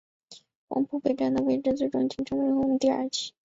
黄埔北站的位置最终建成红磡邨第二期。